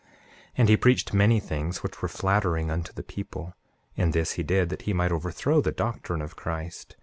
And he preached many things which were flattering unto the people; and this he did that he might overthrow the doctrine of Christ.